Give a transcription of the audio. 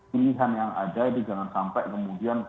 pilihan yang ada itu jangan sampai kemudian